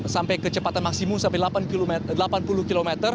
sampai kecepatan maksimum sampai delapan puluh km